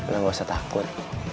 lo gak usah takut